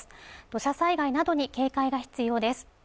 土砂災害などに警戒が必要です